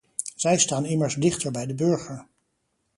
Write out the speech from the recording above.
Zij staan immers dichter bij de burger.